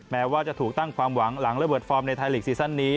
แม้ว่าจะถูกตั้งความหวังหลังระเบิดฟอร์มในไทยลีกซีซั่นนี้